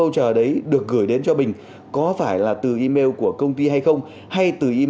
thì đôi lúc không phải ai cũng thấy đâu